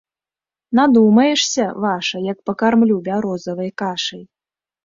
Надумаешся, ваша, як пакармлю бярозавай кашай.